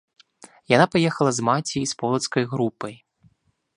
Яна паехала з маці і з полацкай групай.